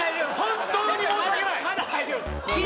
本当に申し訳ない！